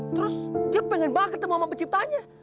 terus dia pengen banget ketemu sama penciptanya